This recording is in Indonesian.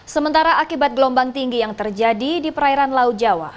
sementara akibat gelombang tinggi yang terjadi di perairan laut jawa